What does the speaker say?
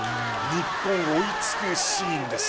日本、追い付くシーンです。